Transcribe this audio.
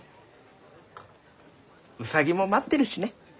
ウサギも待ってるしね。